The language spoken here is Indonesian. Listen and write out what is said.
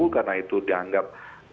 karena itu dianggap